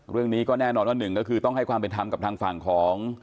เรื่องนี้ก็แน่นอนว่าหนึ่งก็คือต้องให้ความเป็นธรรมกับทางฝั่งของ